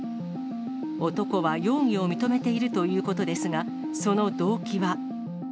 男は容疑を認めているということですが、その動機は。